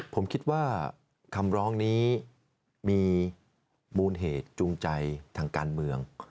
ผมคิดว่าคำร้องนี้มีมูลเหตุจูงใจทางการเมือง